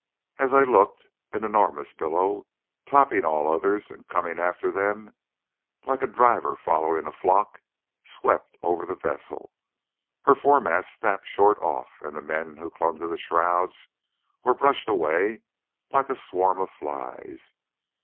As I looked, an enormous billow, topping all the others, and coming after them, like a driver following a flock, swept over the vessel. Her foremast snapped short off, and the men who clung to the shrouds were brushed away like a swarm of flies.